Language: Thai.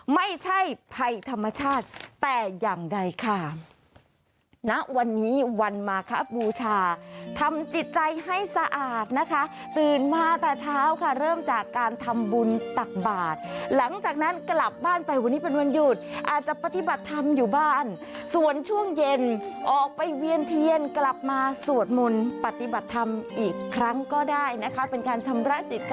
ไม่ใช่ภัยธรรมชาติแต่อย่างไรคะ